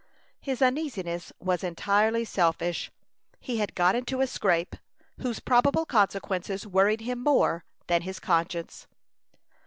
His uneasiness was entirely selfish. He had got into a scrape, whose probable consequences worried him more than his conscience.